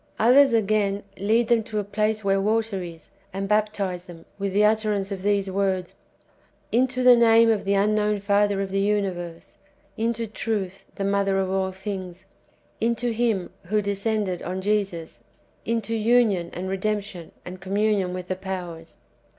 Others, again, lead them to a place where water is, and baptize them, with the utterance of these w^ords, " Into the name of the unknown Father of the uni verse— Into truth, the mother of all things — into Him who descended on Jesus — into union, and redemption, and com munion with the powers."